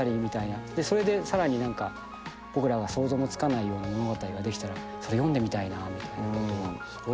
それでさらに何か僕らが想像もつかないような物語ができたらそれ読んでみたいなみたいなことを。